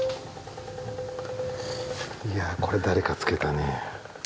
いや、これ、誰かつけたね。